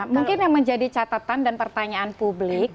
mungkin yang menjadi catatan dan pertanyaan publik